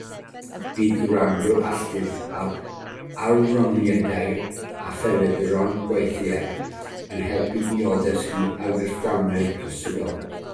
Bydd gwrando'n astud ar awgrymiadau a phryderon gweithwyr yn helpu i osgoi argyfyngau posibl.